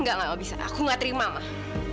gak bisa aku gak terima mah